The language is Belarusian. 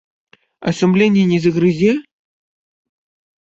А сумленне не загрызе?